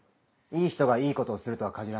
いい人がいいことをするとは限らない。